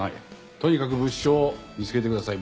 とにかく物証を見つけてください。